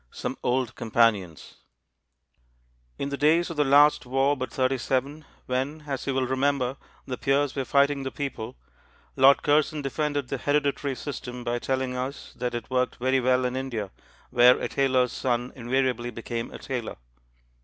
Some Old Companions In the days of the last war but thirty seven, when (as you will remember) the Peers were fighting the People, Lord Curzon defended the hereditary system by telling us that it worked very well in India, where a tailor's son invariably became a tailor.